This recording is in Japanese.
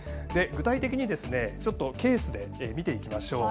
具体的にケースで見ていきます。